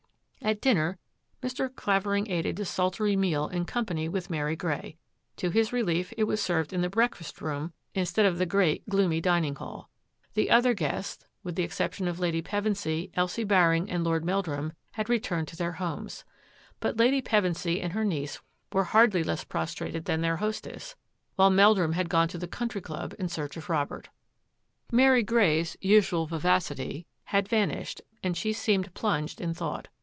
At dinner Mr. Clavering ate a d,esultory meal in company with Mary Grey. To his relief, it was served in the breakfast room instead of the great. MORE MYSTERY 71 gloomy dinlng hall. The other guests, with the exception of Lady Pevensy, Elsie Baring, and Lord Meldrum, had returned to their homes. But Lady Pevensy and her niece were hardly less prostrated than their hostess, while Meldrum had gone to the Country Club in search of Robert. Mary Grey's usual vivacity had vanished, and she seemed plunged in thought.